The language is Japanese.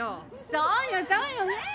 そうよそうよねえ！